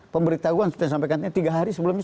pemberitahuan sudah disampaikan tiga hari sebelum ini